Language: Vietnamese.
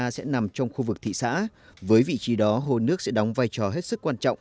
sẽ nằm trong khu vực thị xã với vị trí đó hồ nước sẽ đóng vai trò hết sức quan trọng